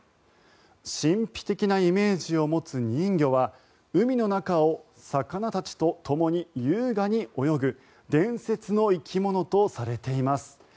神秘的なイメージを持つ人魚は海の中を魚たちとともに優雅に泳ぐ伝説の生き物とされています。